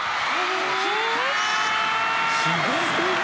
決めた！